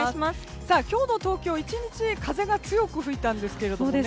今日の東京、１日風が強く吹いたんですけれどもね